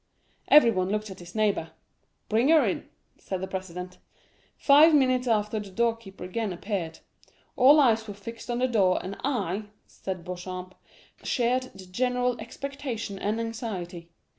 Everyone looked at his neighbor. 'Bring her in,' said the president. Five minutes after the door keeper again appeared; all eyes were fixed on the door, and I," said Beauchamp, "shared the general expectation and anxiety.